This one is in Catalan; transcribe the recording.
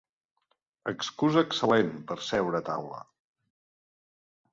Excusa excel·lent per seure a taula.